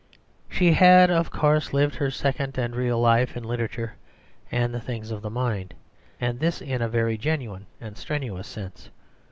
She had, of course, lived her second and real life in literature and the things of the mind, and this in a very genuine and strenuous sense.